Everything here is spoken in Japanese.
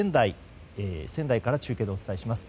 仙台から中継でお伝えします。